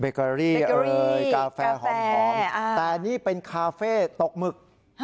เกอรี่กาแฟหอมแต่นี่เป็นคาเฟ่ตกหมึก